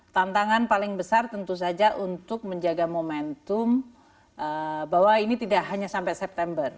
tantangan paling besar tentu saja untuk menjaga momentum bahwa ini tidak hanya sampai september